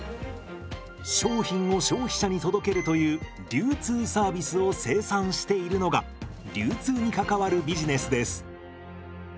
商品を消費者に届けるという流通サービスを生産しているのが流通に関わるビジネスです。